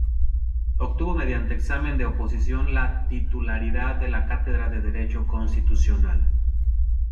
Obtuvo mediante examen de oposición la titularidad de la cátedra de derecho constitucional.